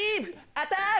アタック！